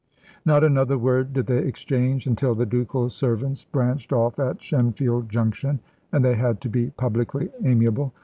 Not another word did they exchange until the ducal servants branched off at Shenfield Junction, and they had to be publicly amiable.